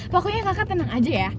pokoknya kakak tenang aja ya